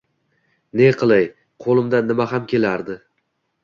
Ne qilay, qo'limdan nimaham kelardi.